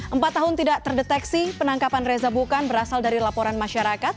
empat tahun tidak terdeteksi penangkapan reza bukan berasal dari laporan masyarakat